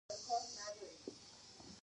برښنا نشتون فابریکې بندوي.